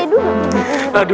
dulu pak d dulu